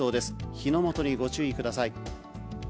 火の元にご注意ください。